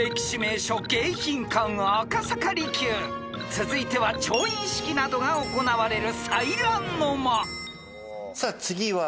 ［続いては調印式などが行われる］